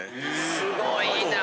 すごいなぁ。